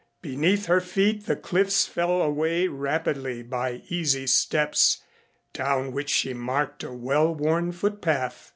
Beneath her feet the cliffs fell away rapidly by easy steps, down which she marked a well worn footpath.